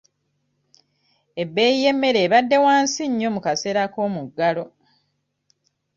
Ebbeeyi y'emmere ebadde wansi nnyo mu kaseera k'omuggalo.